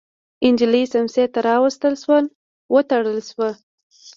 نجلۍ سمڅې ته راوستل شوه او تړل شوه.